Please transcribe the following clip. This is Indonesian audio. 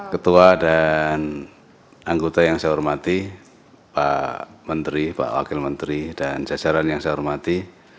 ketua dan anggota yang saya hormati pak menteri pak wakil menteri dan jajaran yang saya hormati